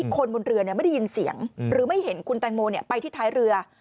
คนบนเรือไม่ได้ยินเสียงหรือไม่เห็นคุณแตงโมไปที่ท้ายเรือ